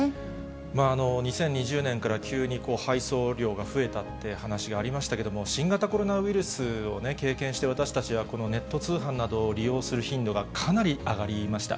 ２０２０年から急に配送料が増えたって話がありましたけれども、新型コロナウイルスを経験している私たちは、このネット通販などを利用する頻度がかなり上がりました。